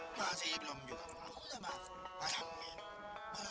masih belum juga mau sama kasang minyak